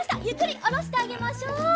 ゆっくりおろしてあげましょう。